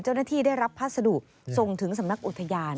เจ้าหน้าที่ได้รับภาษาดุส่งถึงสำนักอุทยาน